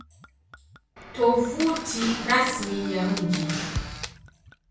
Tovuti Rasmi ya Mji